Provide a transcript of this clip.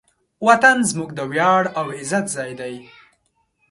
وطن زموږ د ویاړ او عزت ځای دی.